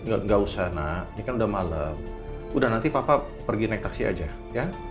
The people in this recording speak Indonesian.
nggak usah nak ini kan udah malam udah nanti papa pergi naik taksi aja ya